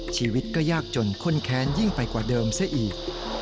ชีวิตก็ยากจนข้นแค้นยิ่งไปกว่าเดิมซะอีก